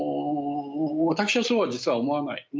私はそうは実は思わない。